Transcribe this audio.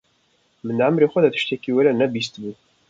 Min di emirê xwe de tiştekî welê ne bihîsti bû.